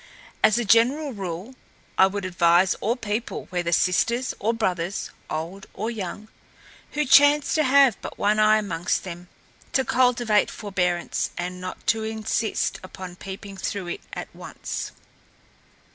As a general rule, I would advise all people, whether sisters or brothers, old or young, who chance to have but one eye amongst them, to cultivate forbearance and not all insist upon peeping through it at once.